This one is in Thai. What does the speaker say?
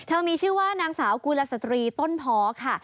มีชื่อว่านางสาวกุลสตรีต้นพอค่ะ